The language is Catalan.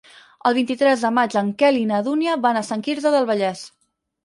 El vint-i-tres de maig en Quel i na Dúnia van a Sant Quirze del Vallès.